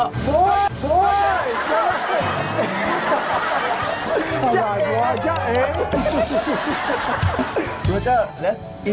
โอ้โฮเป็นโรเจอร์ไง